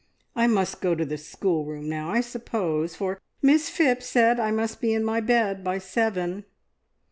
I must go to the schoolroom now, I suppose, for Miss Phipps said I must be in my bed by seven.